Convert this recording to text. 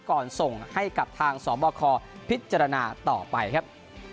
ก่อนส่งให้กับทางสอบบอกคอพิจารณาต่อไปครับ